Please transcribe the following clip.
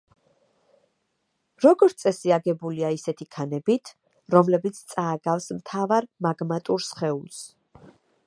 როგორც წესი აგებულია ისეთი ქანებით, რომლებიც წააგავს მთავარ მაგმატურ სხეულს.